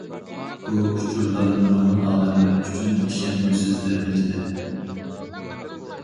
بۇ ئۇچۇرلار نۇرغۇن ئادەملەر ئۈچۈن ئىشەنگۈسىز دەرىجىدە.